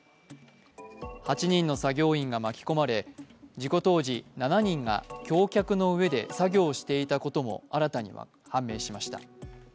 ８人の作業員が巻き込まれ事故当時、７人が橋脚の上で作業をしていたことも新たに判明しました。